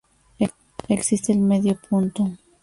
Existe el medio punto.